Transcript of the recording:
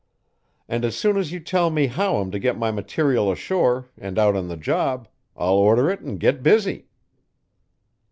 And as soon as you tell me how I'm to get my material ashore and out on the job, I'll order it and get busy."